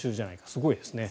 すごいですね。